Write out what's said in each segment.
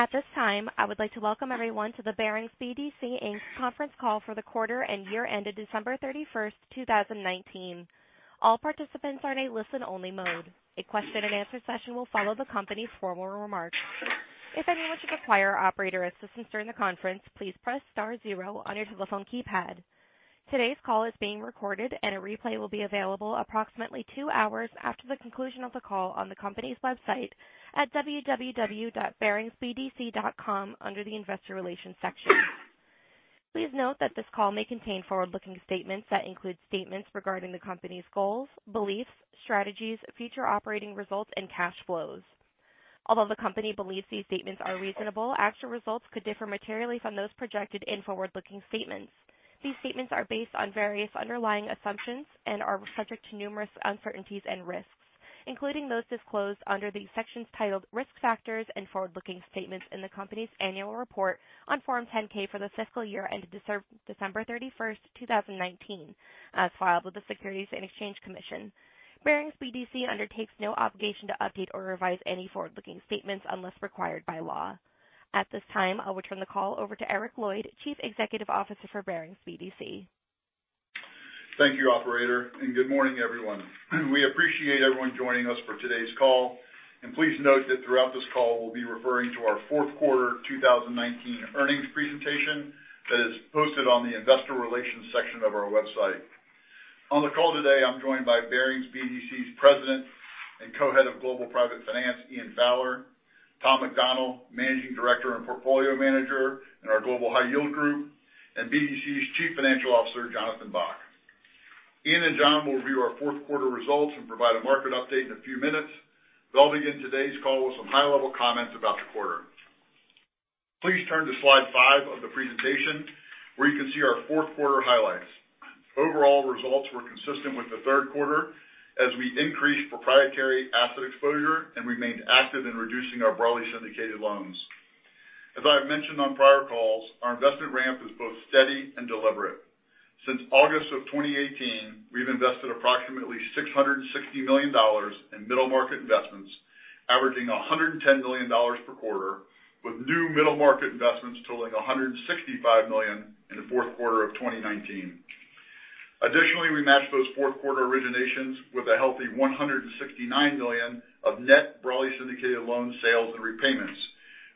At this time, I would like to welcome everyone to the Barings BDC, Inc. conference call for the quarter and year ended December 31st, 2019. All participants are in a listen-only mode. A question-and-answer session will follow the company's formal remarks. If anyone should require operator assistance during the conference, please press star zero on your telephone keypad. Today's call is being recorded, and a replay will be available approximately two hours after the conclusion of the call on the company's website at www.baringsbdc.com under the investor relations section. Please note that this call may contain forward-looking statements that include statements regarding the company's goals, beliefs, strategies, future operating results, and cash flows. Although the company believes these statements are reasonable, actual results could differ materially from those projected in forward-looking statements. These statements are based on various underlying assumptions and are subject to numerous uncertainties and risks, including those disclosed under the sections titled Risk Factors and Forward-Looking Statements in the company's annual report on Form 10-K for the fiscal year ended December 31st, 2019, as filed with the Securities and Exchange Commission. Barings BDC undertakes no obligation to update or revise any forward-looking statements unless required by law. At this time, I'll return the call over to Eric Lloyd, Chief Executive Officer for Barings BDC. Thank you, operator. Good morning, everyone. We appreciate everyone joining us for today's call. Please note that throughout this call, we'll be referring to our fourth quarter 2019 earnings presentation that is posted on the investor relations section of our website. On the call today, I'm joined by Barings BDC's President and Co-head of Global Private Finance, Ian Fowler, Tom McDonnell, Managing Director and Portfolio Manager in our Global High Yield Group, BDC's Chief Financial Officer, Jonathan Bock. Ian and John will review our fourth quarter results and provide a market update in a few minutes. I'll begin today's call with some high-level comments about the quarter. Please turn to slide 5 of the presentation, where you can see our fourth quarter highlights. Overall results were consistent with the third quarter as we increased proprietary asset exposure and remained active in reducing our broadly syndicated loans. As I've mentioned on prior calls, our investment ramp is both steady and deliberate. Since August of 2018, we've invested approximately $660 million in middle market investments, averaging $110 million per quarter, with new middle market investments totaling $165 million in the fourth quarter of 2019. We matched those fourth-quarter originations with a healthy $169 million of net broadly syndicated loan sales and repayments,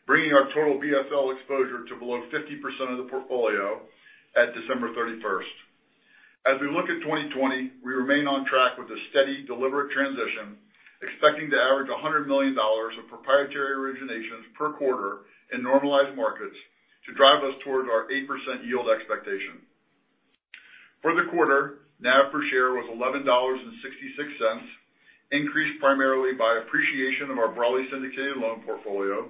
bringing our total BSL exposure to below 50% of the portfolio at December 31st. As we look at 2020, we remain on track with a steady, deliberate transition, expecting to average $100 million of proprietary originations per quarter in normalized markets to drive us towards our 8% yield expectation. For the quarter, NAV per share was $11.66, increased primarily by appreciation of our broadly syndicated loan portfolio.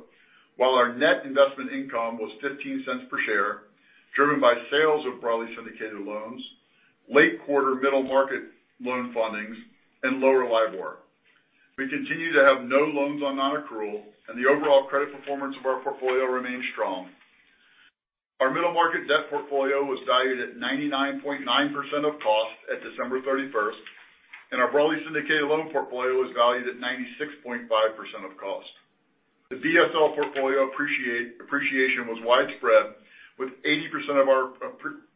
While our net investment income was $0.15 per share, driven by sales of broadly syndicated loans, late quarter middle market loan fundings, and lower LIBOR. We continue to have no loans on non-accrual, and the overall credit performance of our portfolio remains strong. Our middle market debt portfolio was valued at 99.9% of cost at December 31st, and our broadly syndicated loan portfolio was valued at 96.5% of cost. The BSL portfolio appreciation was widespread, with 80% of our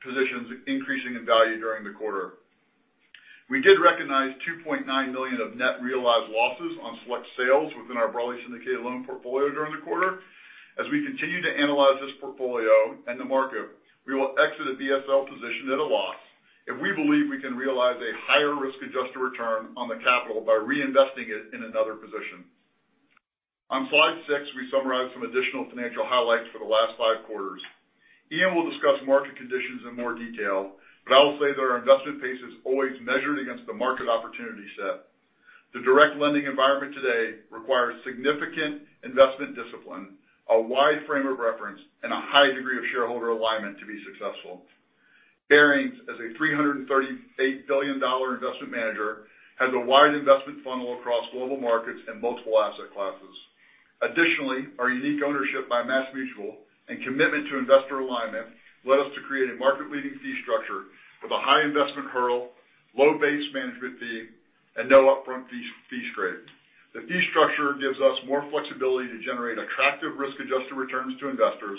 positions increasing in value during the quarter. We did recognize $2.9 million of net realized losses on select sales within our broadly syndicated loan portfolio during the quarter. As we continue to analyze this portfolio and the market, we will exit a BSL position at a loss if we believe we can realize a higher risk-adjusted return on the capital by reinvesting it in another position. On slide 6, we summarize some additional financial highlights for the last five quarters. Ian will discuss market conditions in more detail, but I will say that our investment pace is always measured against the market opportunity set. The direct lending environment today requires significant investment discipline, a wide frame of reference, and a high degree of shareholder alignment to be successful. Barings, as a $338 billion investment manager, has a wide investment funnel across global markets and multiple asset classes. Additionally, our unique ownership by MassMutual and commitment to investor alignment led us to create a market-leading fee structure with a high investment hurdle, low base management fee, and no upfront fees. The fee structure gives us more flexibility to generate attractive risk-adjusted returns to investors,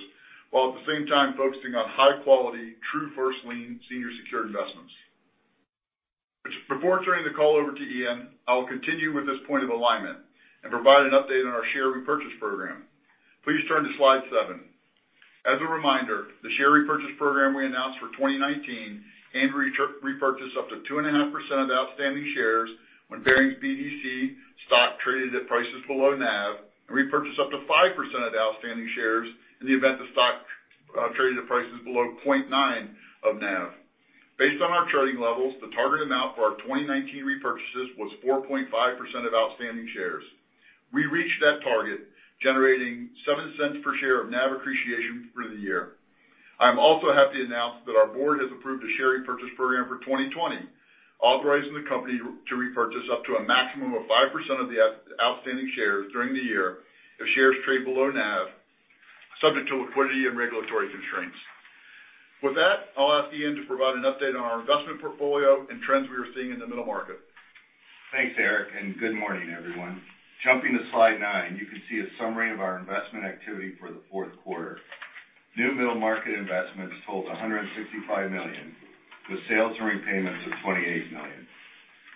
while at the same time focusing on high-quality, true first lien, senior secured investments. Before turning the call over to Ian, I will continue with this point of alignment and provide an update on our share repurchase program. Please turn to slide 7. As a reminder, the share repurchase program we announced for 2019 aimed to repurchase up to 2.5% of the outstanding shares when Barings BDC stock traded at prices below NAV and repurchase up to 5% of the outstanding shares in the event the stock traded at prices below 0.9 of NAV. Based on our trading levels, the target amount for our 2019 repurchases was 4.5% of outstanding shares. We reached that target, generating $0.07 per share of NAV appreciation for the year. I am also happy to announce that our board has approved a share repurchase program for 2020, authorizing the company to repurchase up to a maximum of 5% of the outstanding shares during the year if shares trade below NAV, subject to liquidity and regulatory constraints. With that, I'll ask Ian to provide an update on our investment portfolio and trends we are seeing in the middle market. Thanks, Eric, good morning, everyone. Jumping to slide 9, you can see a summary of our investment activity for the fourth quarter. New middle market investments totaled $165 million, with sales repayments of $28 million.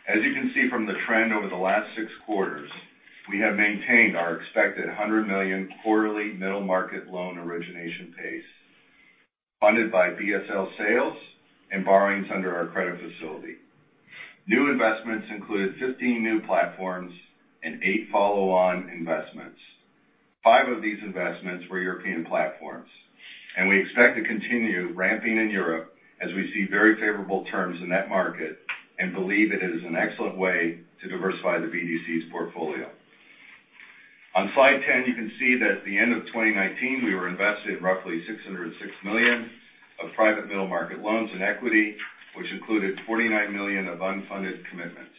As you can see from the trend over the last six quarters, we have maintained our expected $100 million quarterly middle market loan origination pace, funded by BSL sales and borrowings under our credit facility. New investments included 15 new platforms and eight follow-on investments. Five of these investments were European platforms, we expect to continue ramping in Europe as we see very favorable terms in that market and believe it is an excellent way to diversify the BDC's portfolio. On slide 10, you can see that at the end of 2019, we were invested in roughly $606 million of private middle market loans and equity, which included $49 million of unfunded commitments.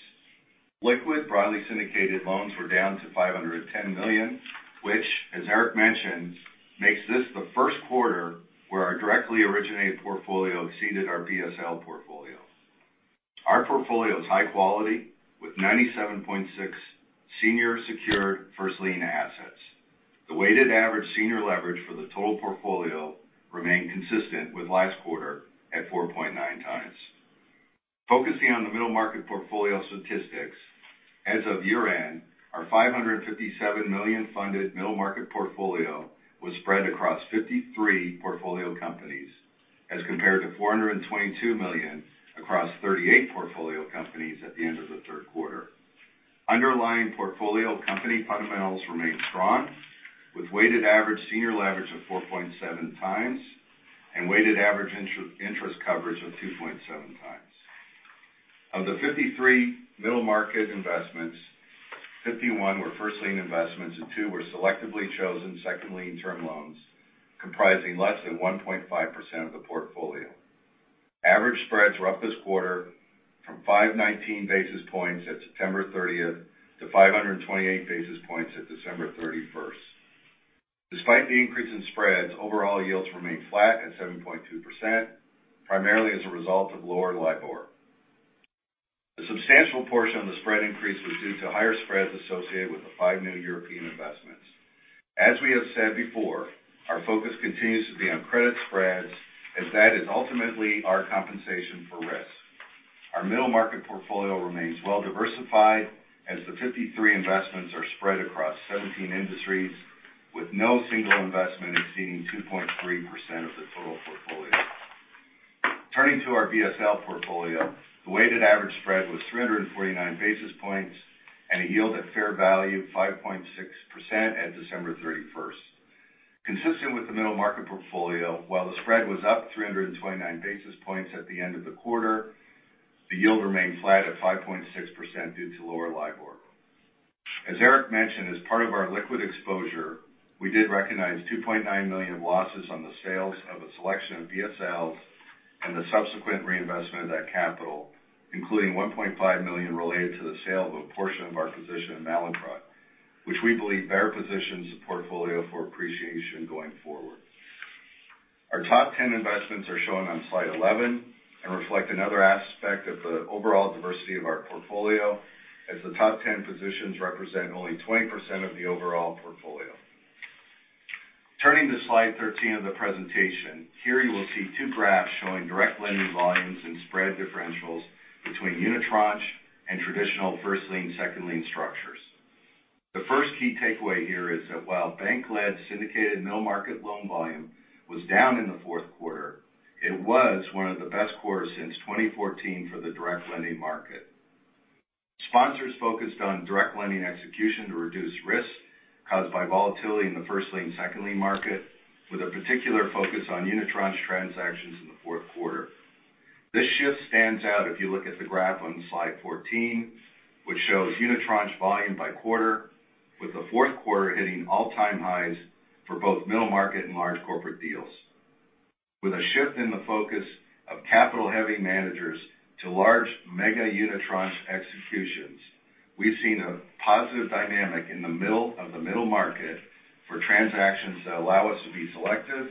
Liquid broadly syndicated loans were down to $510 million, which, as Eric mentioned, makes this the first quarter where our directly originated portfolio exceeded our BSL portfolio. Our portfolio is high quality, with 97.6% senior secured first-lien assets. The weighted average senior leverage for the total portfolio remained consistent with last quarter at 4.9x. Focusing on the middle market portfolio statistics, as of year-end, our $557 million funded middle market portfolio was spread across 53 portfolio companies, as compared to $422 million across 38 portfolio companies at the end of the third quarter. Underlying portfolio company fundamentals remained strong, with weighted average senior leverage of 4.7 times and weighted average interest coverage of 2.7x. Of the 53 middle market investments, 51 were first-lien investments and two were selectively chosen second-lien term loans comprising less than 1.5% of the portfolio. Average spreads were up this quarter from 519 basis points at September 30th to 528 basis points at December 31st. Despite the increase in spreads, overall yields remained flat at 7.2%, primarily as a result of lower LIBOR. The substantial portion of the spread increase was due to higher spreads associated with the five new European investments. As we have said before, our focus continues to be on credit spreads as that is ultimately our compensation for risk. Our middle market portfolio remains well-diversified as the 53 investments are spread across 17 industries with no single investment exceeding 2.3% of the total portfolio. Turning to our BSL portfolio, the weighted average spread was 349 basis points and a yield at fair value of 5.6% at December 31st. Consistent with the middle market portfolio, while the spread was up 329 basis points at the end of the quarter, the yield remained flat at 5.6% due to lower LIBOR. As Eric mentioned, as part of our liquid exposure, we did recognize $2.9 million of losses on the sales of a selection of BSLs and the subsequent reinvestment of that capital, including $1.5 million related to the sale of a portion of our position in Mallinckrodt, which we believe better positions the portfolio for appreciation going forward. Our top 10 investments are shown on slide 11 and reflect another aspect of the overall diversity of our portfolio as the top 10 positions represent only 20% of the overall portfolio. Turning to slide 13 of the presentation, here you will see two graphs showing direct lending volumes and spread differentials between unitranche and traditional first-lien, second-lien structures. The first key takeaway here is that while bank-led syndicated middle market loan volume was down in the fourth quarter, it was one of the best quarters since 2014 for the direct lending market. Sponsors focused on direct lending execution to reduce risk caused by volatility in the first-lien, second-lien market, with a particular focus on unitranche transactions in the fourth quarter. This shift stands out if you look at the graph on slide 14, which shows unitranche volume by quarter, with the fourth quarter hitting all-time highs for both middle market and large corporate deals. With a shift in the focus of capital-heavy managers to large mega unitranche executions, we've seen a positive dynamic in the middle of the middle market for transactions that allow us to be selective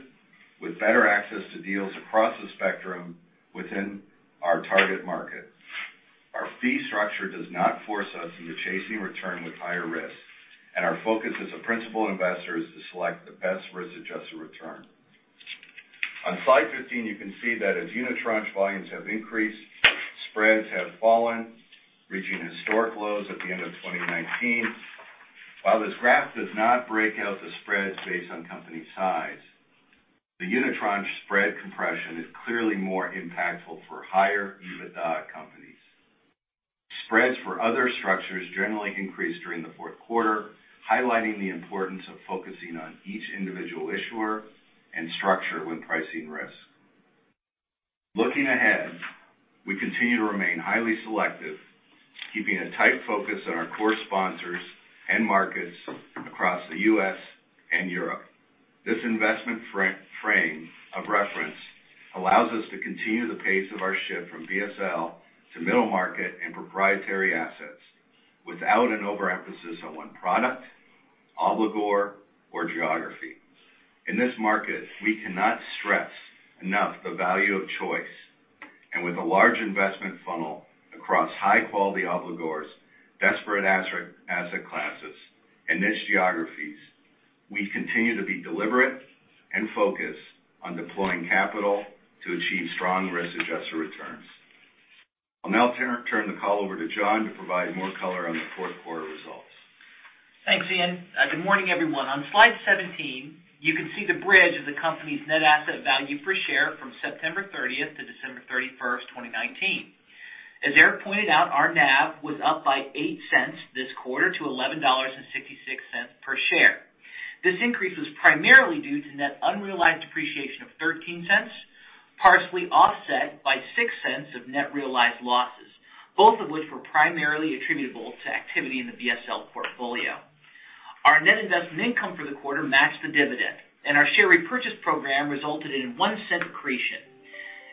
with better access to deals across the spectrum within our target market. Our fee structure does not force us into chasing return with higher risk, and our focus as a principal investor is to select the best risk-adjusted return. On slide 15, you can see that as unitranche volumes have increased, spreads have fallen, reaching historic lows at the end of 2019. While this graph does not break out the spreads based on company size, the unitranche spread compression is clearly more impactful for higher EBITDA companies. Spreads for other structures generally increased during the fourth quarter, highlighting the importance of focusing on each individual issuer and structure when pricing risk. Looking ahead, we continue to remain highly selective, keeping a tight focus on our core sponsors and markets across the U.S. and Europe. This investment frame of reference allows us to continue the pace of our shift from BSL to middle market and proprietary assets without an overemphasis on one product, obligor or geography. In this market, we cannot stress enough the value of choice. With a large investment funnel across high-quality obligors, disparate asset classes, and niche geographies, we continue to be deliberate and focused on deploying capital to achieve strong risk-adjusted returns. I'll now turn the call over to John to provide more color on the fourth quarter results. Thanks, Ian. Good morning, everyone. On slide 17, you can see the bridge of the company's net asset value per share from September 30th to December 31st, 2019. As Eric pointed out, our NAV was up by $0.08 this quarter to $11.66 per share. This increase was primarily due to net unrealized appreciation of $0.13, partially offset by $0.06 of net realized losses, both of which were primarily attributable to activity in the BSL portfolio. Our net investment income for the quarter matched the dividend, and our share repurchase program resulted in $0.01 accretion.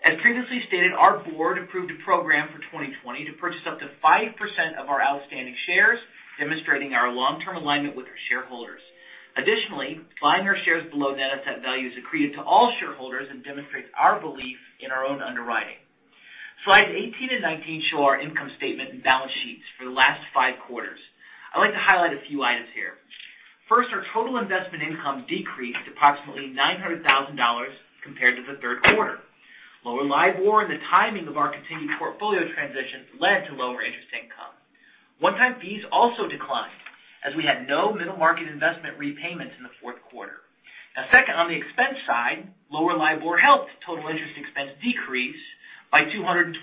As previously stated, our board approved a program for 2020 to purchase up to 5% of our outstanding shares, demonstrating our long-term alignment with our shareholders. Additionally, buying our shares below net asset value is accretive to all shareholders and demonstrates our belief in our own underwriting. Slides 18 and 19 show our income statement and balance sheets for the last five quarters. I'd like to highlight a few items here. First, our total investment income decreased approximately $900,000 compared to the third quarter. Lower LIBOR and the timing of our continued portfolio transitions led to lower interest income. One-time fees also declined as we had no middle market investment repayments in the fourth quarter. Second, on the expense side, lower LIBOR helped total interest expense decrease by $226,000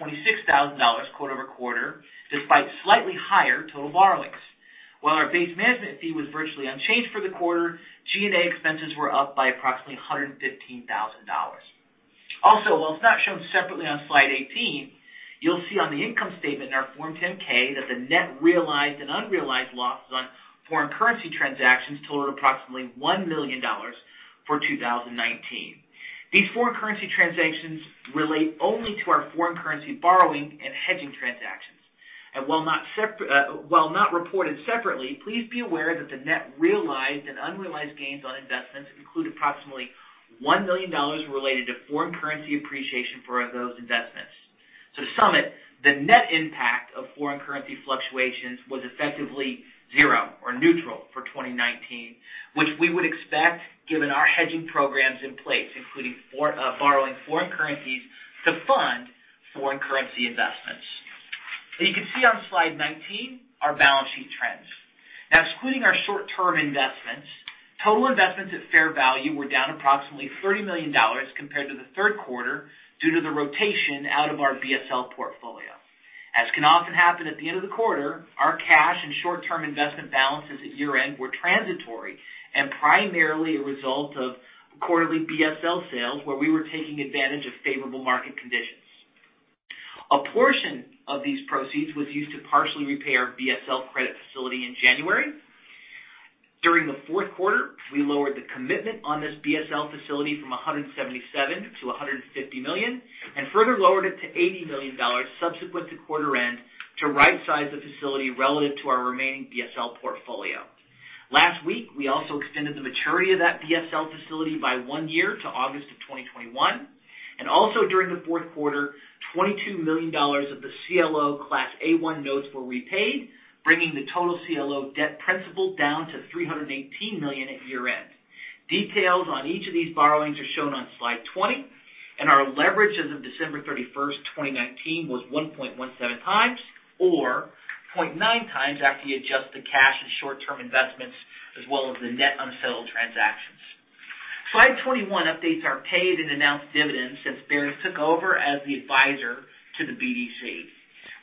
quarter-over-quarter, despite slightly higher total borrowings. While our base management fee was virtually unchanged for the quarter, G&A expenses were up by approximately $115,000. While it's not shown separately on slide 18, you'll see on the income statement in our Form 10-K that the net realized and unrealized losses on foreign currency transactions totaled approximately $1 million for 2019. These foreign currency transactions relate only to our foreign currency borrowing and hedging transactions. While not reported separately, please be aware that the net realized and unrealized gains on investments include approximately $1 million related to foreign currency appreciation for those investments. To sum it, the net impact of foreign currency fluctuations was effectively zero or neutral for 2019, which we would expect given our hedging programs in place, including borrowing foreign currencies to fund foreign currency investments. You can see on slide 19 our balance sheet trends. Now excluding our short-term investments, total investments at fair value were down approximately $30 million compared to the third quarter due to the rotation out of our BSL portfolio. As can often happen at the end of the quarter, our cash and short-term investment balances at year-end were transitory and primarily a result of quarterly BSL sales where we were taking advantage of favorable market conditions. A portion of these proceeds was used to partially repay our BSL credit facility in January. During the fourth quarter, we lowered the commitment on this BSL facility from $177 to $150 million and further lowered it to $80 million subsequent to quarter end to rightsize the facility relative to our remaining BSL portfolio. Last week, we also extended the maturity of that BSL facility by one year to August of 2021, and also during the fourth quarter, $22 million of the CLO Class A-1 notes were repaid, bringing the total CLO debt principal down to $318 million at year-end. Details on each of these borrowings are shown on slide 20. Our leverage as of December 31st, 2019, was 1.17x or 0.9x after you adjust to cash and short-term investments as well as the net unsettled transactions. Slide 21 updates our paid and announced dividends since Barings took over as the advisor to the BDC.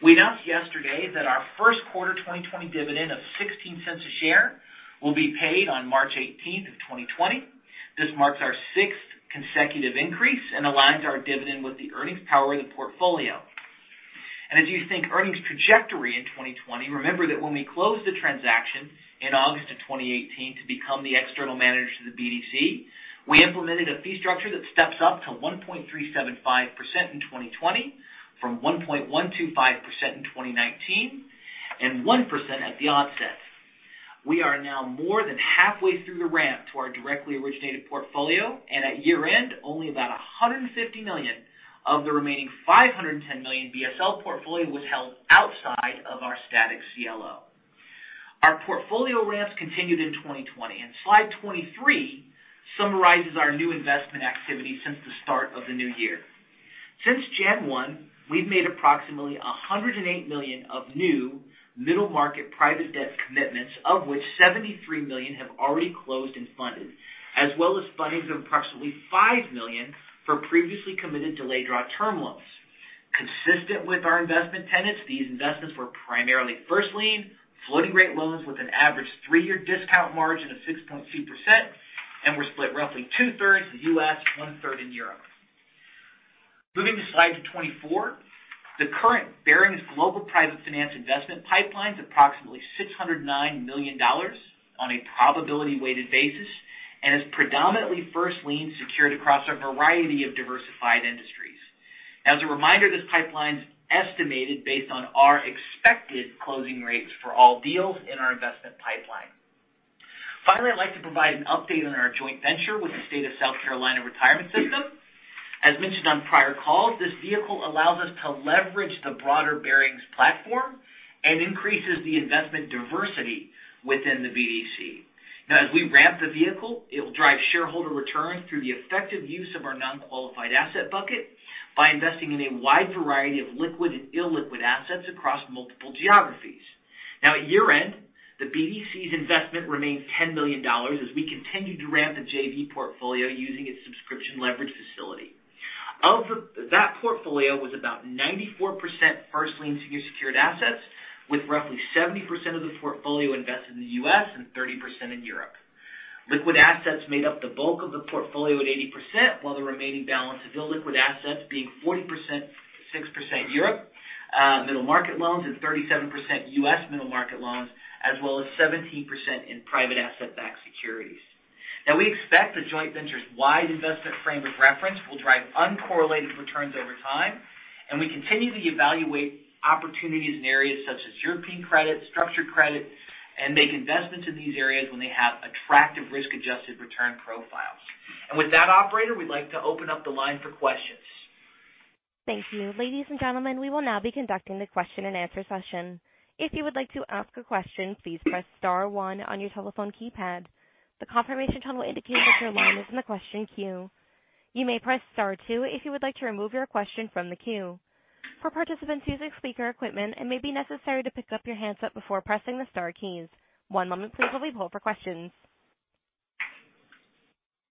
We announced yesterday that our first quarter 2020 dividend of $0.16 a share will be paid on March 18th of 2020. This marks our sixth consecutive increase and aligns our dividend with the earnings power of the portfolio. As you think earnings trajectory in 2020, remember that when we closed the transaction in August of 2018 to become the external manager to the BDC, we implemented a fee structure that steps up to 1.375% in 2020 from 1.125% in 2019 and 1% at the onset. We are now more than halfway through the ramp to our directly originated portfolio. At year-end, only about $150 million of the remaining $510 million BSL portfolio was held outside of our static CLO. Our portfolio ramps continued in 2020. Slide 23 summarizes our new investment activity since the start of the new year. Since January one, we've made approximately $108 million of new middle-market private debt commitments, of which $73 million have already closed and funded, as well as fundings of approximately $5 million for previously committed delayed draw term loans. Consistent with our investment tenets, these investments were primarily first-lien floating rate loans with an average three-year discount margin of 6.2% and were split roughly two-thirds U.S., one-third in Europe. Moving to slide 24, the current Barings Global Private Finance investment pipeline is approximately $609 million on a probability-weighted basis and is predominantly first lien secured across a variety of diversified industries. As a reminder, this pipeline's estimated based on our expected closing rates for all deals in our investment pipeline. I'd like to provide an update on our joint venture with the State of South Carolina Retirement System. As mentioned on prior calls, this vehicle allows us to leverage the broader Barings platform and increases the investment diversity within the BDC. As we ramp the vehicle, it will drive shareholder returns through the effective use of our non-qualified asset bucket by investing in a wide variety of liquid and illiquid assets across multiple geographies. At year-end, the BDC's investment remained $10 million as we continued to ramp the JV portfolio using its subscription leverage facility. Of that portfolio was about 94% first lien senior secured assets with roughly 70% of the portfolio invested in the U.S. and 30% in Europe. Liquid assets made up the bulk of the portfolio at 80%, while the remaining balance of illiquid assets being 46% Europe middle market loans and 37% U.S. middle market loans, as well as 17% in private asset-backed securities. We expect the joint venture's wide investment frame of reference will drive uncorrelated returns over time, and we continue to evaluate opportunities in areas such as European credit, structured credit, and make investments in these areas when they have attractive risk-adjusted return profiles. With that operator, we'd like to open up the line for questions. Thank you. Ladies and gentlemen, we will now be conducting the question and answer session. If you would like to ask a question, please press star one on your telephone keypad. The confirmation tone will indicate that your line is in the question queue. You may press star two if you would like to remove your question from the queue. For participants using speaker equipment, it may be necessary to pick up your handset before pressing the star keys. One moment please, while we hold for questions.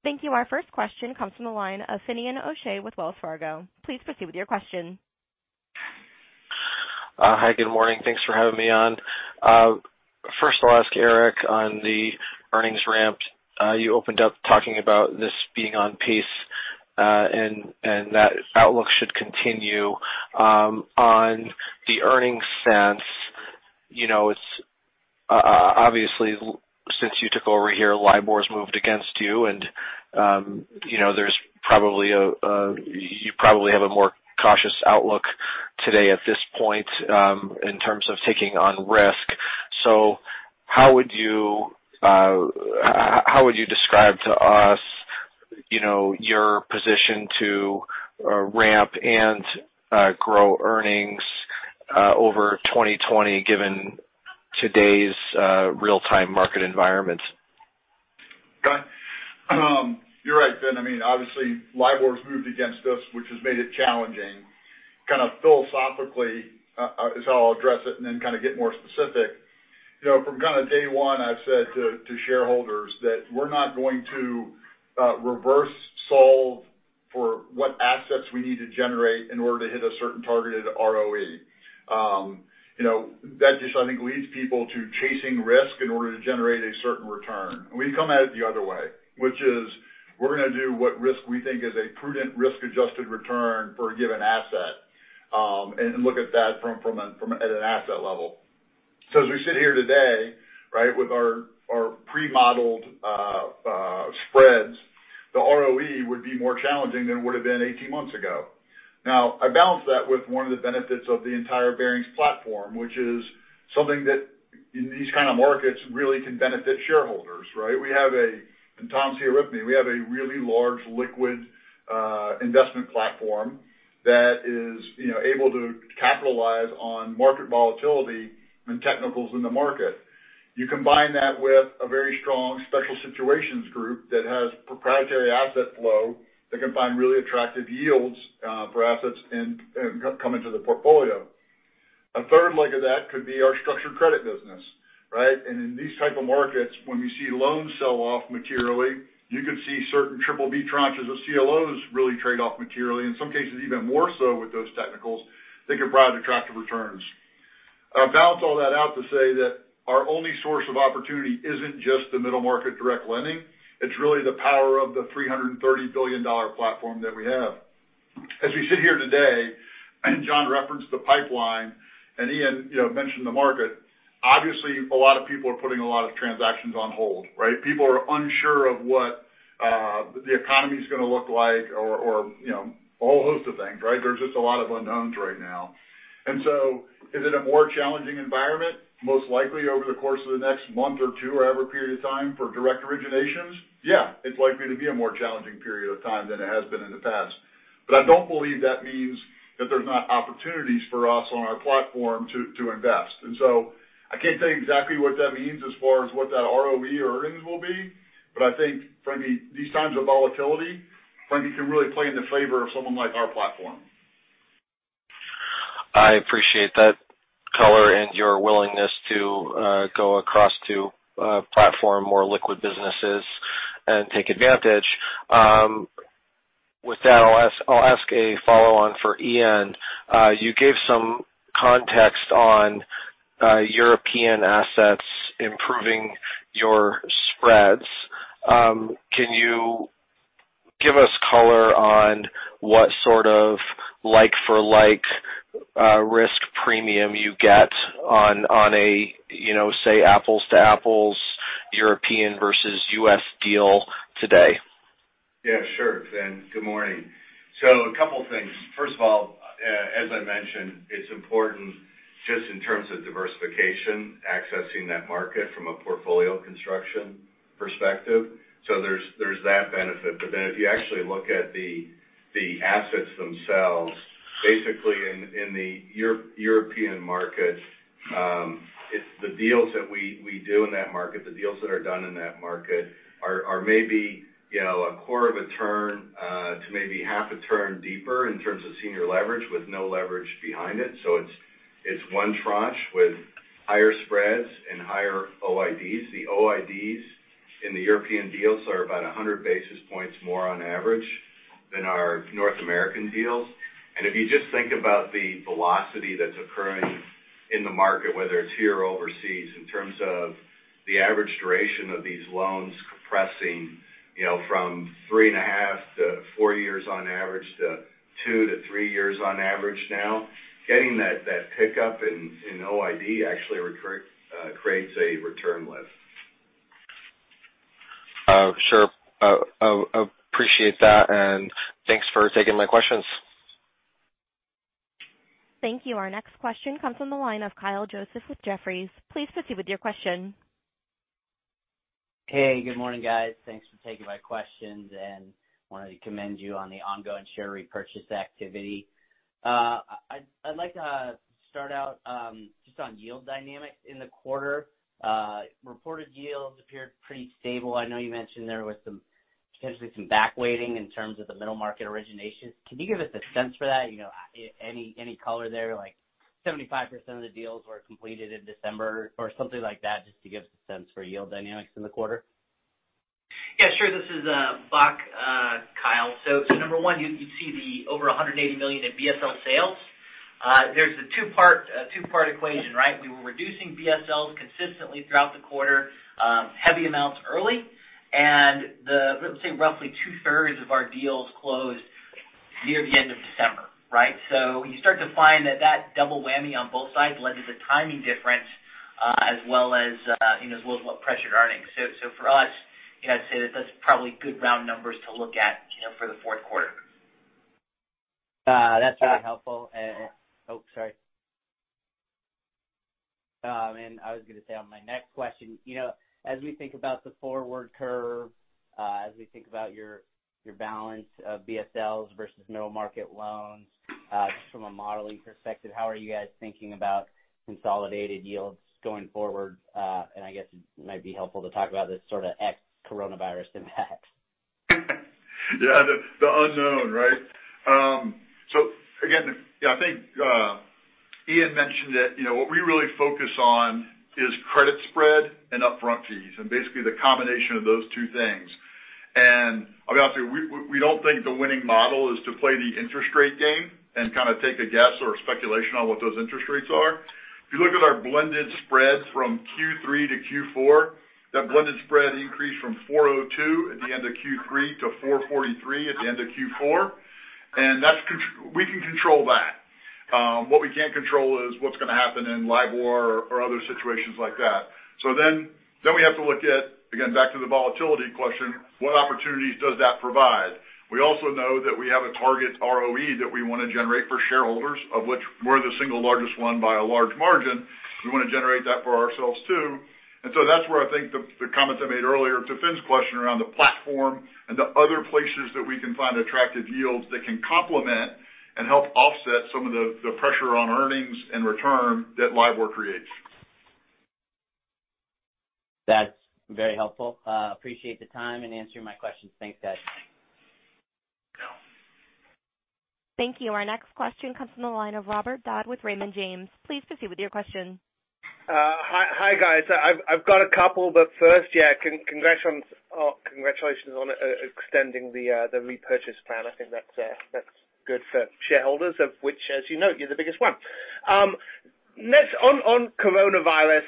Thank you. Our first question comes from the line of Finian O'Shea with Wells Fargo. Please proceed with your question. Hi, good morning. Thanks for having me on. First I'll ask Eric on the earnings ramp. You opened up talking about this being on pace, and that outlook should continue. On the earnings sense, obviously since you took over here, LIBOR's moved against you and you probably have a more cautious outlook today at this point in terms of taking on risk. How would you describe to us your position to ramp and grow earnings over 2020 given today's real-time market environment? Got it. You're right, Fin. Obviously LIBOR's moved against us, which has made it challenging. Kind of philosophically is how I'll address it and then kind of get more specific. From kind of day one I've said to shareholders that we're not going to reverse solve for what assets we need to generate in order to hit a certain targeted ROE. That just, I think, leads people to chasing risk in order to generate a certain return. We come at it the other way, which is we're going to do what risk we think is a prudent risk-adjusted return for a given asset. Look at that at an asset level. As we sit here today, right, with our pre-modeled spreads, the ROE would be more challenging than it would've been 18 months ago. I balance that with one of the benefits of the entire Barings platform, which is something that in these kind of markets really can benefit shareholders, right? Tom's here with me. We have a really large liquid investment platform that is able to capitalize on market volatility and technicals in the market. You combine that with a very strong special situations group that has proprietary asset flow that can find really attractive yields for assets and come into the portfolio. A third leg of that could be our structured credit business, right? In these type of markets, when we see loans sell off materially, you could see certain triple B tranches of CLOs really trade off materially, in some cases even more so with those technicals that can drive attractive returns. I balance all that out to say that our only source of opportunity isn't just the middle market direct lending. It's really the power of the $330 billion platform that we have. As we sit here today, and John referenced the pipeline and Ian mentioned the market. Obviously a lot of people are putting a lot of transactions on hold, right? People are unsure of what the economy's going to look like or a whole host of things, right? There's just a lot of unknowns right now. Is it a more challenging environment? Most likely over the course of the next month or two or however period of time for direct originations? Yeah. It's likely to be a more challenging period of time than it has been in the past. I don't believe that means that there's not opportunities for us on our platform to invest. I can't tell you exactly what that means as far as what that ROE earnings will be. I think, frankly, these times of volatility, frankly, can really play in the favor of someone like our platform. I appreciate that color and your willingness to go across to platform more liquid businesses and take advantage. With that, I'll ask a follow on for Ian. You gave some context on European assets improving your spreads. Can you give us color on what sort of like for like risk premium you get on a, say, apples to apples European versus U.S. deal today? Yeah, sure. Good morning. A couple things. First of all, as I mentioned, it's important just in terms of diversification, accessing that market from a portfolio construction perspective. There's that benefit. If you actually look at the assets themselves, basically in the European market, it's the deals that we do in that market, the deals that are done in that market are maybe a quarter of a turn to maybe half a turn deeper in terms of senior leverage with no leverage behind it. It's one tranche with higher spreads and higher OIDs. The OIDs in the European deals are about 100 basis points more on average than our North American deals. If you just think about the velocity that's occurring in the market, whether it's here or overseas, in terms of the average duration of these loans compressing from three and a half to four years on average to two to three years on average now. Getting that pickup in OID actually creates a return lift. Oh, sure. Appreciate that, and thanks for taking my questions. Thank you. Our next question comes from the line of Kyle Joseph with Jefferies. Please proceed with your question. Hey, good morning, guys. Thanks for taking my questions. Wanted to commend you on the ongoing share repurchase activity. I'd like to start out just on yield dynamics in the quarter. Reported yields appeared pretty stable. I know you mentioned there was potentially some back waiting in terms of the middle market originations. Can you give us a sense for that? Any color there, like 75% of the deals were completed in December or something like that, just to give us a sense for yield dynamics in the quarter? Yeah, sure. This is Jonathan Bock, Kyle Joseph. Number one, you see the over $180 million in BSL sales. There's a two-part equation, right? We were reducing BSLs consistently throughout the quarter, heavy amounts early, and let's say roughly two-thirds of our deals closed near the end of December, right? You start to find that double whammy on both sides led to the timing difference as well as what pressured earnings. For us, I'd say that that's probably good round numbers to look at for the fourth quarter. That's very helpful. Oh, sorry. I was going to say on my next question, as we think about the forward curve, as we think about your balance of BSLs versus middle market loans, just from a modeling perspective, how are you guys thinking about consolidated yields going forward? I guess it might be helpful to talk about this sort of ex-coronavirus impact. The unknown, right? Again, I think Ian mentioned it. What we really focus on is credit spread and upfront fees, and basically the combination of those two things. Obviously, we don't think the winning model is to play the interest rate game and kind of take a guess or a speculation on what those interest rates are. If you look at our blended spreads from Q3 to Q4, that blended spread increased from 4.02 at the end of Q3 to 4.43 at the end of Q4. We can control that. What we can't control is what's going to happen in LIBOR or other situations like that. We have to look at, again, back to the volatility question, what opportunities does that provide? We also know that we have a target ROE that we want to generate for shareholders, of which we're the single largest one by a large margin. We want to generate that for ourselves, too. That's where I think the comments I made earlier to Finn's question around the platform and the other places that we can find attractive yields that can complement and help offset some of the pressure on earnings and return that LIBOR creates. That's very helpful. Appreciate the time and answering my questions. Thanks, guys. Thank you. Our next question comes from the line of Robert Dodd with Raymond James. Please proceed with your question. Hi, guys. I've got a couple. First, yeah, congratulations on extending the repurchase plan. I think that's good for shareholders, of which, as you know, you're the biggest one. On coronavirus,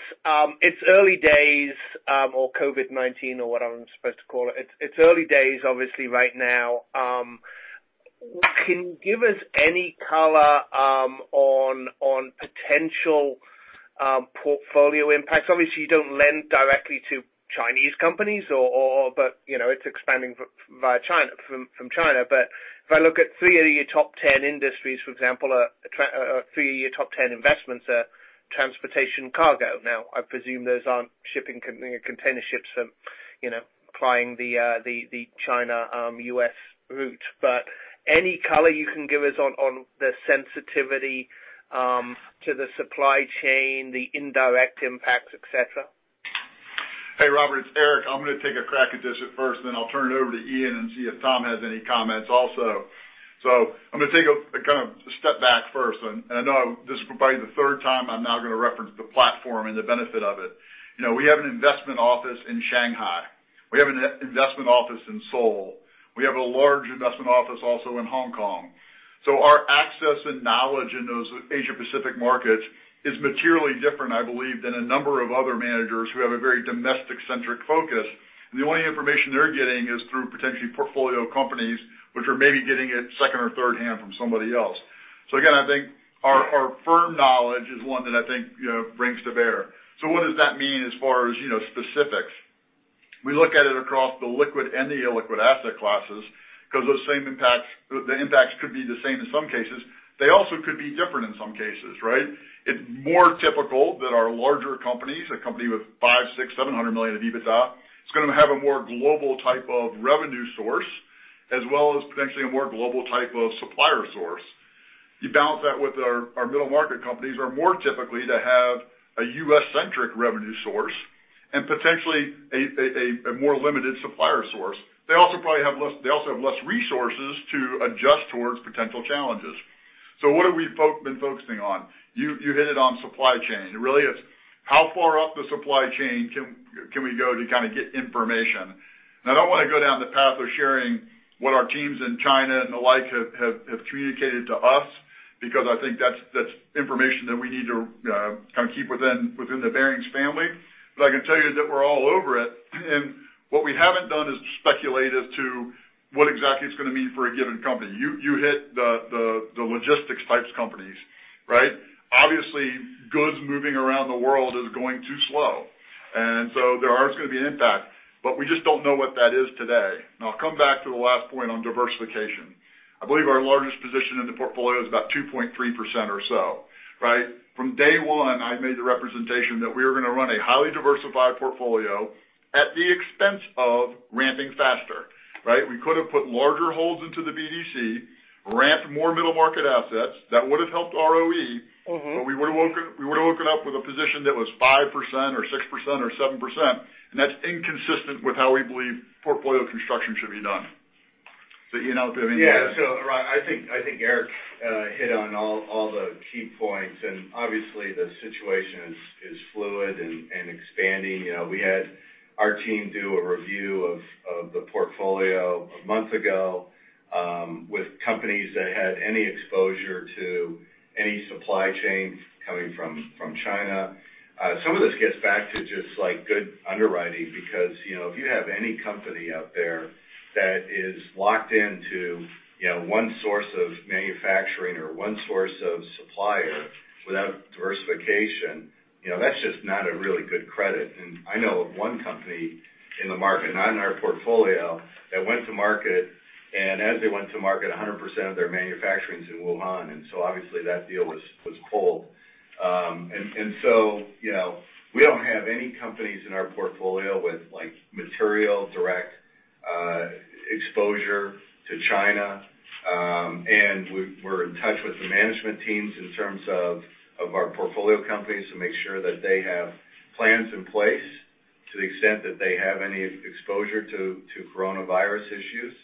it's early days, or COVID-19 or whatever I'm supposed to call it. It's early days, obviously, right now. Can you give us any color on potential portfolio impacts? Obviously, you don't lend directly to Chinese companies. It's expanding from China. If I look at three of your top 10 industries, for example, three of your top 10 investments are transportation cargo. I presume those aren't container ships plying the China-U.S. route. Any color you can give us on the sensitivity to the supply chain, the indirect impacts, et cetera? Hey, Robert, it's Eric. I'm going to take a crack at this at first, then I'll turn it over to Ian and see if Tom has any comments also. I'm going to take a kind of step back first, and I know this is probably the third time I'm now going to reference the platform and the benefit of it. We have an investment office in Shanghai. We have an investment office in Seoul. We have a large investment office also in Hong Kong. Our access and knowledge in those Asia Pacific markets is materially different, I believe, than a number of other managers who have a very domestic-centric focus. The only information they're getting is through potentially portfolio companies which are maybe getting it second or thirdhand from somebody else. Again, I think our firm knowledge is one that I think brings to bear. What does that mean as far as specifics? We look at it across the liquid and the illiquid asset classes, because the impacts could be the same in some cases. They also could be different in some cases, right? It's more typical that our larger companies, a company with $500 million, $600 million, $700 million of EBITDA, it's going to have a more global type of revenue source, as well as potentially a more global type of supplier source. You balance that with our middle market companies are more typically to have a U.S.-centric revenue source and potentially a more limited supplier source. They also have less resources to adjust towards potential challenges. What have we been focusing on? You hit it on supply chain. It really is how far up the supply chain can we go to get information? I don't want to go down the path of sharing what our teams in China and the like have communicated to us, because I think that's information that we need to keep within the Barings family. I can tell you that we're all over it, and what we haven't done is speculate as to what exactly it's going to mean for a given company. You hit the logistics types companies, right? Obviously, goods moving around the world is going too slow, and so there is going to be an impact. We just don't know what that is today. I'll come back to the last point on diversification. I believe our largest position in the portfolio is about 2.3% or so, right? From day one, I made the representation that we were going to run a highly diversified portfolio at the expense of ramping faster, right? We could have put larger holds into the BDC, ramped more middle market assets. That would've helped ROE. We would've woken up with a position that was 5% or 6% or 7%, and that's inconsistent with how we believe portfolio construction should be done. You know, do you have anything to add? Yeah. Robert, I think Eric hit on all the key points, and obviously the situation is fluid and expanding. We had our team do a review of the portfolio a month ago with companies that had any exposure to any supply chain coming from China. Some of this gets back to just good underwriting because, if you have any company out there that is locked into one source of manufacturing or one source of supplier without diversification, that's just not a really good credit. I know of one company in the market, not in our portfolio, that went to market, and as they went to market, 100% of their manufacturing's in Wuhan. Obviously that deal was cold. We don't have any companies in our portfolio with material direct exposure to China. We're in touch with the management teams in terms of our portfolio companies to make sure that they have plans in place to the extent that they have any exposure to coronavirus issues.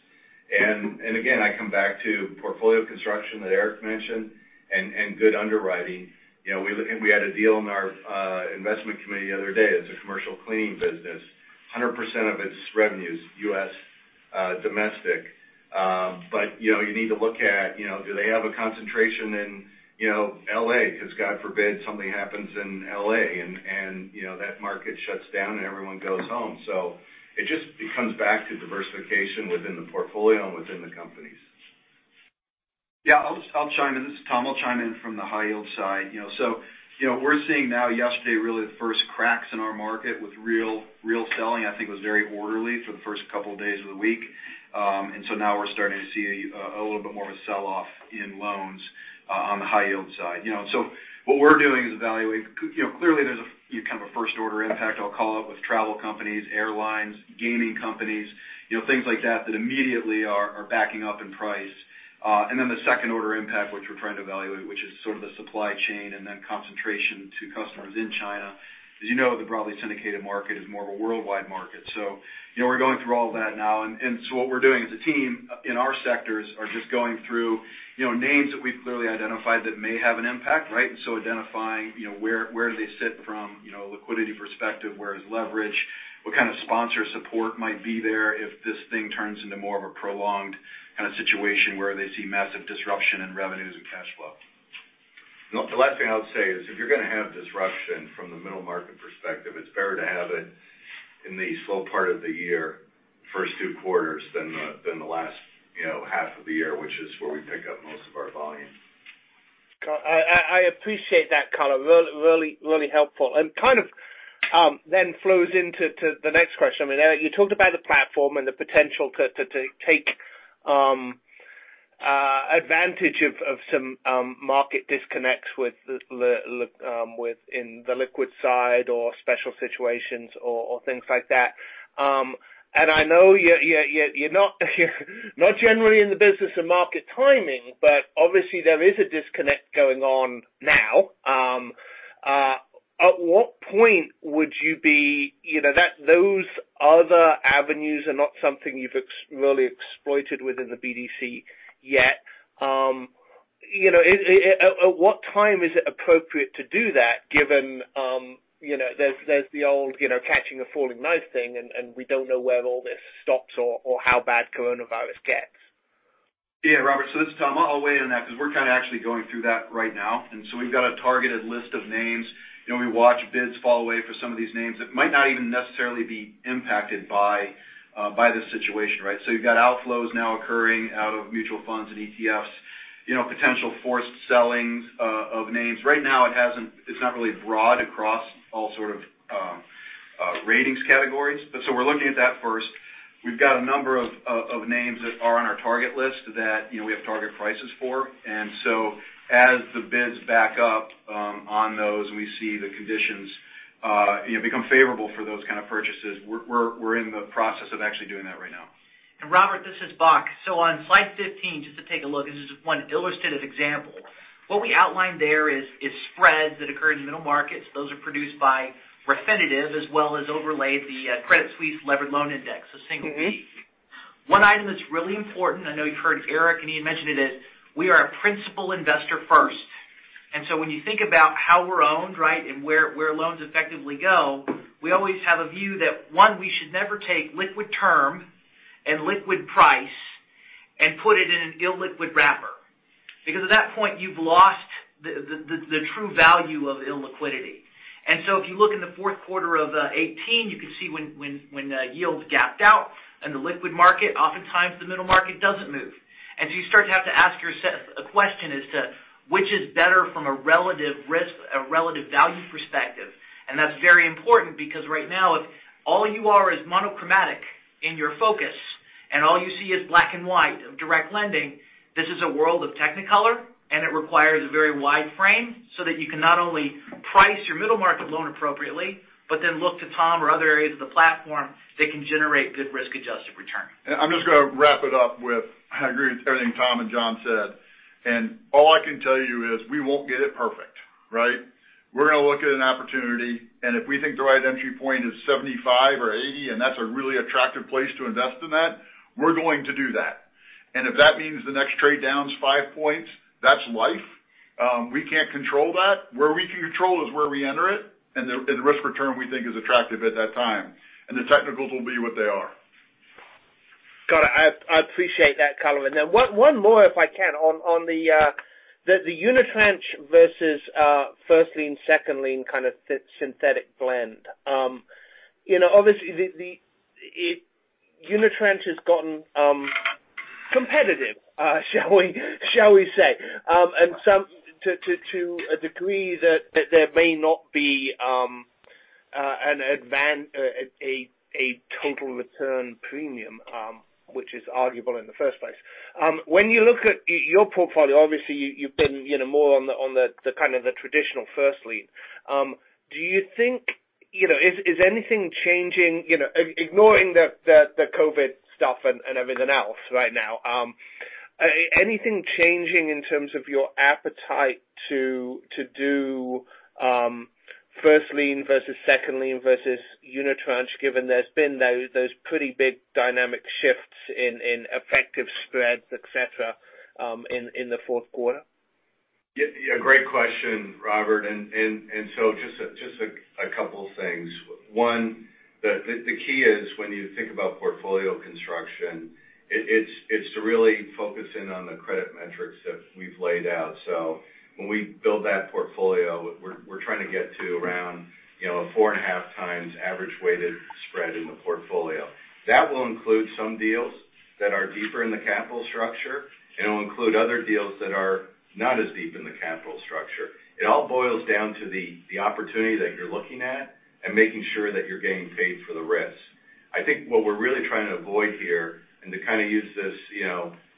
Again, I come back to portfolio construction that Eric mentioned and good underwriting. We had a deal in our investment committee the other day. It's a commercial cleaning business, 100% of its revenues, U.S. domestic. You need to look at do they have a concentration in L.A., because God forbid something happens in L.A., and that market shuts down and everyone goes home. It just comes back to diversification within the portfolio and within the companies. Yeah. I'll chime in. This is Tom. I'll chime in from the high yield side. We're seeing now yesterday really the first cracks in our market with real selling. I think it was very orderly for the first couple of days of the week. Now we're starting to see a little bit more of a sell-off in loans on the high yield side. What we're doing is evaluating. Clearly there's a kind of a first order impact I'll call it with travel companies, airlines, gaming companies, things like that immediately are backing up in price. The second order impact, which we're trying to evaluate, which is sort of the supply chain and then concentration to customers in China. As you know, the broadly syndicated market is more of a worldwide market. We're going through all that now. What we're doing as a team in our sectors are just going through names that we've clearly identified that may have an impact, right? Identifying where do they sit from a liquidity perspective, where is leverage, what kind of sponsor support might be there if this thing turns into more of a prolonged kind of situation where they see massive disruption in revenues and cash flow. The last thing I would say is if you're going to have disruption from the middle market perspective, it's better to have it in the slow part of the year, first two quarters than the last half of the year, which is where we pick up most of our volume. I appreciate that, Color. Really helpful. Kind of then flows into the next question. You talked about the platform and the potential to take advantage of some market disconnects within the liquid side or special situations or things like that. I know you're not generally in the business of market timing, but obviously there is a disconnect going on now. At what point. Those other avenues are not something you've really exploited within the BDC yet. At what time is it appropriate to do that given there's the old catching a falling knife thing, and we don't know where all this stops or how bad coronavirus gets? Yeah, Robert. This is Tom. I'll weigh in on that because we're kind of actually going through that right now. We've got a targeted list of names. We watch bids fall away for some of these names that might not even necessarily be impacted by this situation, right? You've got outflows now occurring out of mutual funds and ETFs, potential forced selling of names. Right now, it's not really broad across all sort of ratings categories. We're looking at that first. We've got a number of names that are on our target list that we have target prices for. As the bids back up on those, and we see the conditions become favorable for those kind of purchases, we're in the process of actually doing that right now. Robert, this is Bock. On slide 15, just to take a look, this is one illustrative example. What we outlined there is spreads that occur in the middle markets. Those are produced by Refinitiv as well as overlay the Credit Suisse Leveraged Loan Index, so single B. One item that's really important, I know you've heard Eric, and he had mentioned it, is we are a principal investor first. When you think about how we're owned, right, and where loans effectively go, we always have a view that one, we should never take liquid term and liquid price and put it in an illiquid wrapper. Because at that point, you've lost the true value of illiquidity. If you look in the fourth quarter of 2018, you can see when yields gapped out in the liquid market. Oftentimes, the middle market doesn't move. You start to have to ask yourself a question as to which is better from a relative risk, a relative value perspective. That's very important because right now, if all you are is monochromatic in your focus, and all you see is black and white of direct lending, this is a world of technicolor, and it requires a very wide frame so that you can not only price your middle market loan appropriately, but then look to Tom or other areas of the platform that can generate good risk-adjusted return. I'm just going to wrap it up with, I agree with everything Tom and John said. All I can tell you is we won't get it perfect, right? We're going to look at an opportunity, and if we think the right entry point is 75 or 80, and that's a really attractive place to invest in that, we're going to do that. If that means the next trade down is five points, that's life. We can't control that. Where we can control is where we enter it, and the risk return we think is attractive at that time. The technicals will be what they are. Got it. I appreciate that, Ian. One more if I can on the unitranche versus first lien, second lien kind of synthetic blend. Obviously, the unitranche has gotten competitive, shall we say, to a degree that there may not be a total return premium which is arguable in the first place. When you look at your portfolio, obviously you've been more on the kind of the traditional first lien. Is anything changing, ignoring the COVID stuff and everything else right now? Anything changing in terms of your appetite to do first lien versus second lien versus unitranche, given there's been those pretty big dynamic shifts in effective spreads, et cetera, in the fourth quarter? Yeah. Great question, Robert. Just a couple things. One, the key is when you think about portfolio construction, it's to really focus in on the credit metrics that we've laid out. When we build that portfolio, we're trying to get to around a 4.5x average weighted spread in the portfolio. That will include some deals that are deeper in the capital structure. It'll include other deals that are not as deep in the capital structure. It all boils down to the opportunity that you're looking at and making sure that you're getting paid for the risks. I think what we're really trying to avoid here, and to kind of use this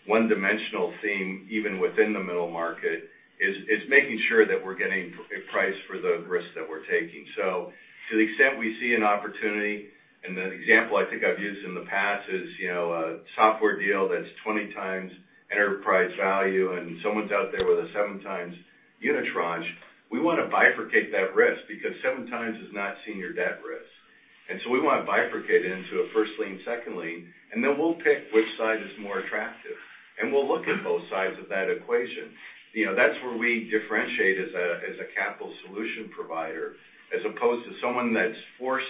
one-dimensional theme even within the middle market, is making sure that we're getting a price for the risk that we're taking. To the extent we see an opportunity, and the example I think I've used in the past is a software deal that's 20x enterprise value and someone's out there with a 7x unitranche. We want to bifurcate that risk because 7x is not senior debt risk. We want to bifurcate it into a first lien, second lien, and then we'll pick which side is more attractive. We'll look at both sides of that equation. That's where we differentiate as a capital solution provider as opposed to someone that's forced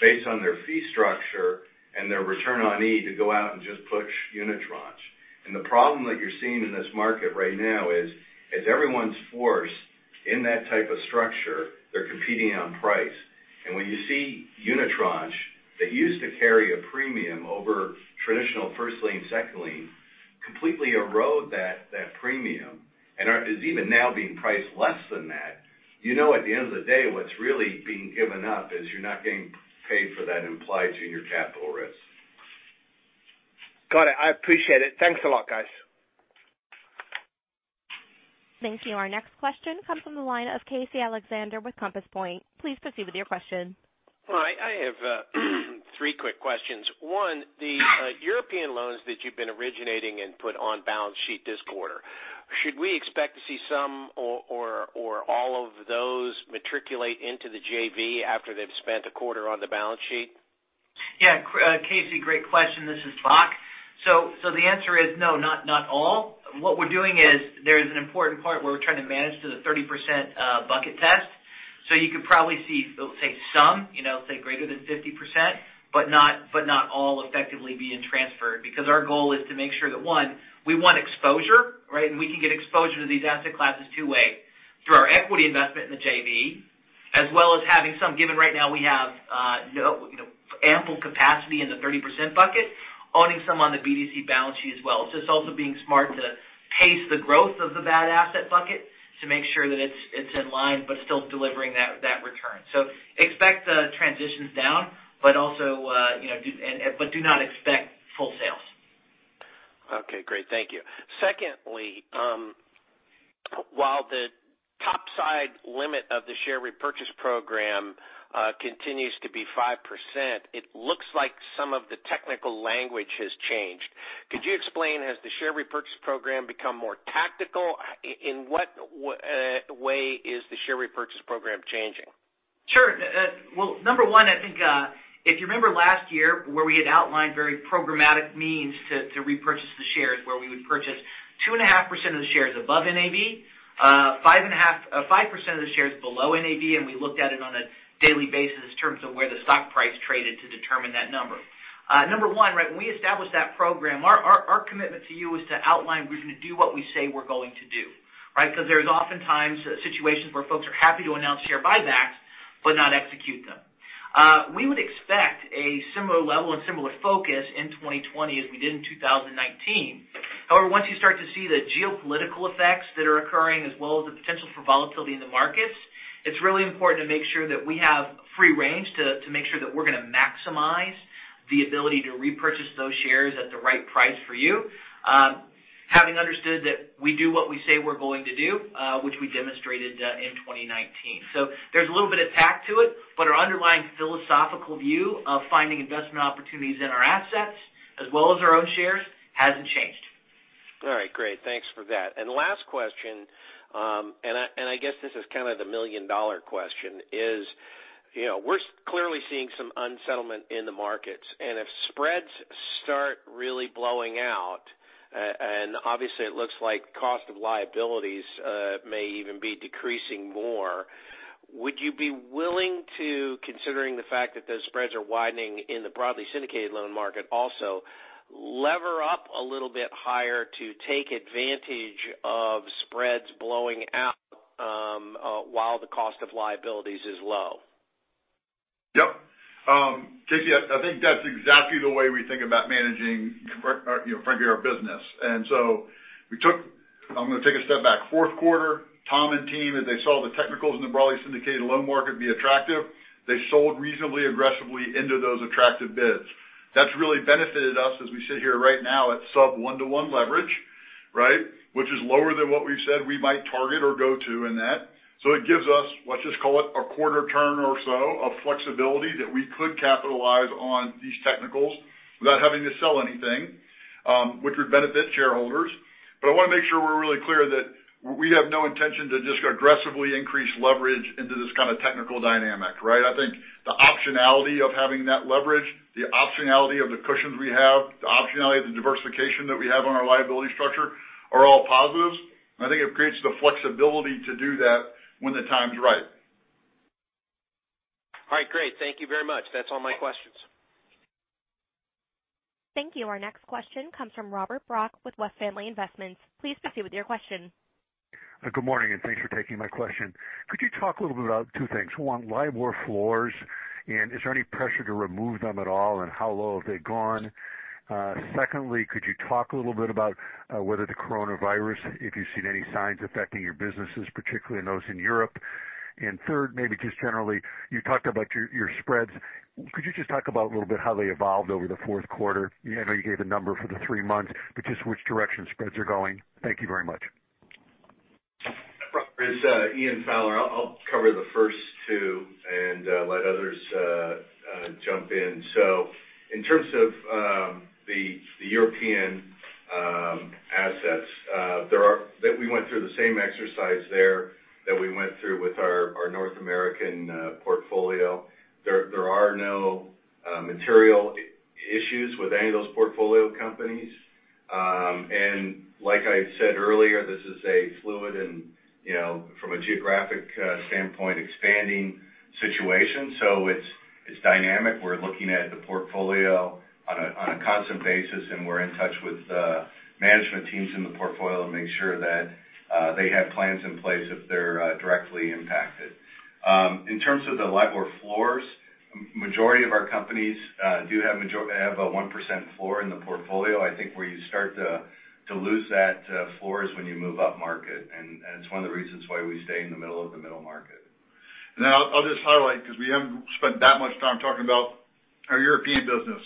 based on their fee structure and their return on need to go out and just push unitranche. The problem that you're seeing in this market right now is everyone's forced in that type of structure. They're competing on price. When you see unitranche that used to carry a premium over traditional first lien, second lien completely erode that premium and is even now being priced less than that. You know, at the end of the day what's really being given up is you're not getting paid for that implied junior capital risk. Got it. I appreciate it. Thanks a lot, guys. Thank you. Our next question comes from the line of Casey Alexander with Compass Point. Please proceed with your question. Hi. I have three quick questions. One, the European loans that you've been originating and put on balance sheet this quarter, should we expect to see some or all of those matriculate into the JV after they've spent a quarter on the balance sheet? Casey, great question. This is Bock. The answer is no, not all. What we're doing is there is an important part where we're trying to manage to the 30% bucket test. You could probably see, say some, say greater than 50%, but not all effectively being transferred. Our goal is to make sure that, one, we want exposure, right? We can get exposure to these asset classes two ways. Through our equity investment in the JV, as well as having some given right now we have ample capacity in the 30% bucket, owning some on the BDC balance sheet as well. It's also being smart to pace the growth of the bad asset bucket to make sure that it's in line, but still delivering that return. Expect the transitions down, but do not expect full sales. Okay, great. Thank you. Secondly, while the top side limit of the share repurchase program continues to be 5%, it looks like some of the technical language has changed. Could you explain, has the share repurchase program become more tactical? In what way is the share repurchase program changing? Sure. Well, number one, I think if you remember last year where we had outlined very programmatic means to repurchase the shares, where we would purchase 2.5% of the shares above NAV, 5% of the shares below NAV. We looked at it on a daily basis in terms of where the stock price traded to determine that number. Number one, when we established that program, our commitment to you was to outline we're going to do what we say we're going to do. Right? There's oftentimes situations where folks are happy to announce share buybacks but not execute them. We would expect a similar level and similar focus in 2020 as we did in 2019. Once you start to see the geopolitical effects that are occurring, as well as the potential for volatility in the markets, it is really important to make sure that we have free range to make sure that we are going to maximize the ability to repurchase those shares at the right price for you, having understood that we do what we say we are going to do, which we demonstrated in 2019. There is a little bit of tact to it, but our underlying philosophical view of finding investment opportunities in our assets as well as our own shares has not changed. All right, great. Thanks for that. Last question. I guess this is kind of the $1 million question is, we're clearly seeing some unsettlement in the markets, and if spreads start really blowing out, and obviously it looks like cost of liabilities may even be decreasing more. Would you be willing to, considering the fact that those spreads are widening in the broadly syndicated loan market also, lever up a little bit higher to take advantage of spreads blowing out while the cost of liabilities is low? Yep. Casey, I think that's exactly the way we think about managing frankly, our business. I'm going to take a step back. Fourth quarter, Tom and team, as they saw the technicals in the broadly syndicated loan market be attractive, they sold reasonably aggressively into those attractive bids. That's really benefited us as we sit here right now at sub one-to-one leverage. Right? Which is lower than what we've said we might target or go to in that. It gives us, let's just call it a quarter turn or so of flexibility that we could capitalize on these technicals without having to sell anything, which would benefit shareholders. I want to make sure we're really clear that we have no intention to just aggressively increase leverage into this kind of technical dynamic, right? I think the optionality of having that leverage, the optionality of the cushions we have, the optionality of the diversification that we have on our liability structure are all positives. I think it creates the flexibility to do that when the time is right. All right, great. Thank you very much. That's all my questions. Thank you. Our next question comes from Robert Brock with West Family Investments. Please proceed with your question. Good morning, and thanks for taking my question. Could you talk a little bit about two things? One, LIBOR floors, and is there any pressure to remove them at all, and how low have they gone? Secondly, could you talk a little bit about whether the coronavirus, if you've seen any signs affecting your businesses, particularly in those in Europe? Third, maybe just generally, you talked about your spreads. Could you just talk about a little bit how they evolved over the fourth quarter? I know you gave a number for the three months, but just which direction spreads are going. Thank you very much. Robert, it's Ian Fowler. I'll cover the first two and let others jump in. In terms of the European assets that we went through the same exercise there that we went through with our North American portfolio. There are no material issues with any of those portfolio companies. Like I said earlier, this is a fluid and from a geographic standpoint, expanding situation. It's dynamic. We're looking at the portfolio on a constant basis, and we're in touch with management teams in the portfolio to make sure that they have plans in place if they're directly impacted. In terms of the LIBOR floors, majority of our companies do have a 1% floor in the portfolio. I think where you start to lose that floor is when you move up market, and it's one of the reasons why we stay in the middle of the middle market. I'll just highlight because we haven't spent that much time talking about our European business.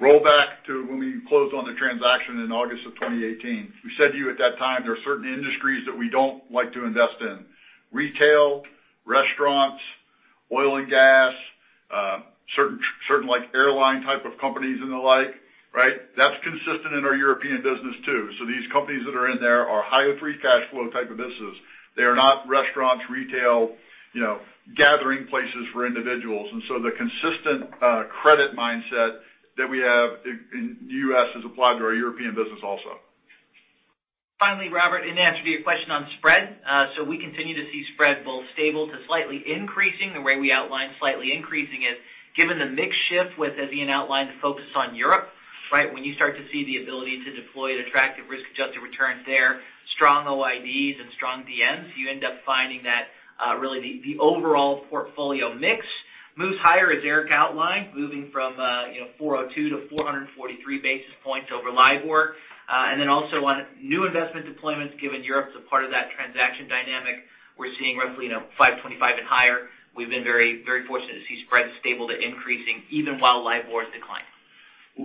Roll back to when we closed on the transaction in August of 2018. We said to you at that time, there are certain industries that we don't like to invest in. Retail, restaurants, oil and gas, certain airline type of companies and the like. Right? That's consistent in our European business, too. These companies that are in there are high free cash flow type of business. They are not restaurants, retail, gathering places for individuals. The consistent credit mindset that we have in the U.S. is applied to our European business also. Finally, Robert, in answer to your question on spread. We continue to see spread both stable to slightly increasing. The way we outline slightly increasing is given the mix shift with, as Ian outlined, the focus on Europe. When you start to see the ability to deploy at attractive risk-adjusted returns there, strong OIDs and strong DMs, you end up finding that really the overall portfolio mix moves higher, as Eric outlined, moving from 402 to 443 basis points over LIBOR. Also on new investment deployments, given Europe's a part of that transaction dynamic, we're seeing roughly 525 and higher. We've been very fortunate to see spreads stable to increasing even while LIBOR is declining.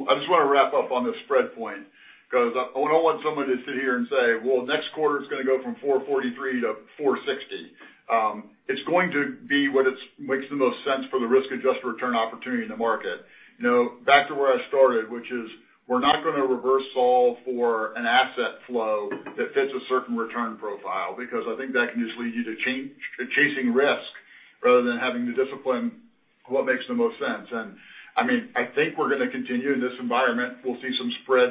I just want to wrap up on the spread point because I don't want someone to sit here and say, "Well, next quarter it's going to go from 443 to 460." It's going to be what makes the most sense for the risk-adjusted return opportunity in the market. Back to where I started, which is we're not going to reverse solve for an asset flow that fits a certain return profile, because I think that can just lead you to chasing risk rather than having the discipline, what makes the most sense. I think we're going to continue in this environment. We'll see some spread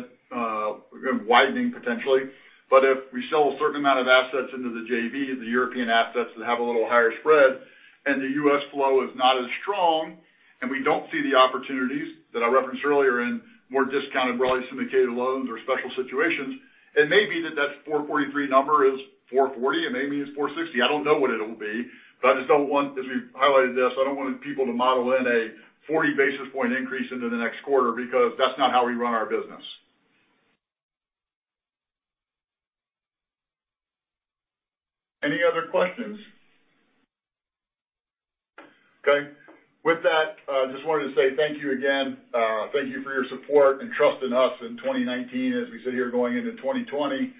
widening potentially. If we sell a certain amount of assets into the JV, the European assets that have a little higher spread, and the US flow is not as strong, and we don't see the opportunities that I referenced earlier in more discounted, broadly syndicated loans or special situations, it may be that that 443 number is 440. It may be it's 460. I don't know what it'll be. As we've highlighted this, I don't want people to model in a 40 basis point increase into the next quarter because that's not how we run our business. Any other questions? Okay. With that, just wanted to say thank you again. Thank you for your support and trust in us in 2019. As we sit here going into 2020,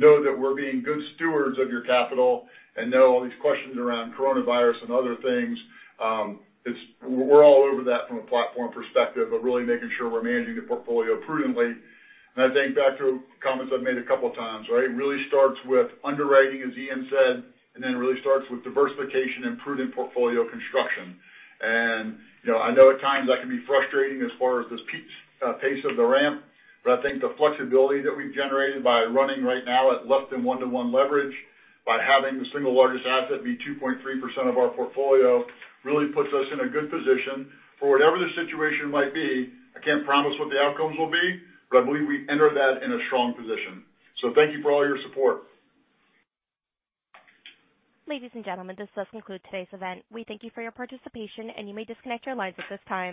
know that we're being good stewards of your capital and know all these questions around coronavirus and other things. We're all over that from a platform perspective of really making sure we're managing the portfolio prudently. I think back to comments I've made a couple of times. It really starts with underwriting, as Ian said, and then it really starts with diversification and prudent portfolio construction. I know at times that can be frustrating as far as this pace of the ramp, but I think the flexibility that we've generated by running right now at less than one-to-one leverage by having the single largest asset be 2.3% of our portfolio really puts us in a good position for whatever the situation might be. I can't promise what the outcomes will be, but I believe we enter that in a strong position. Thank you for all your support. Ladies and gentlemen, this does conclude today's event. We thank you for your participation, and you may disconnect your lines at this time.